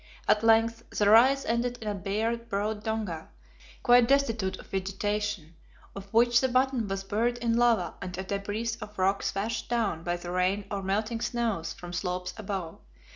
At length the rise ended in a bare, broad donga, quite destitute of vegetation, of which the bottom was buried in lava and a debris of rocks washed down by the rain or melting snows from slopes above.